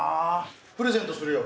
プレゼントするよ。